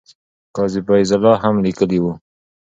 قاضي فیض الله هم لیکلي وو.